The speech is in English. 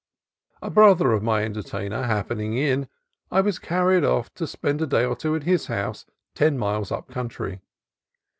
A brother of my entertainer happening in, I was carried off to spend a day or two at his house ten miles up country.